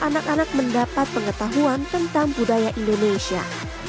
anak anak mendapat pengetahuan tentang budaya indonesia